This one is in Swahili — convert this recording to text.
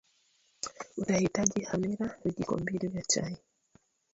utahitaji hamira vijiko mbili vya chai